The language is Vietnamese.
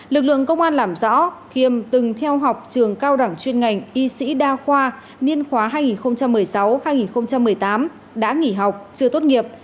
lực lượng công an làm rõ khiêm từng theo học trường cao đẳng chuyên ngành y sĩ đa khoa niên khóa hai nghìn một mươi sáu hai nghìn một mươi tám đã nghỉ học chưa tốt nghiệp